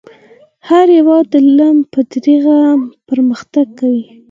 هر هیواد د علم په ذریعه پرمختګ کوي .